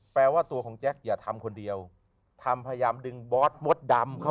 แปลว่าตัวของแจ๊คอย่าทำคนเดียวทำพยายามดึงบอสมดดำเขา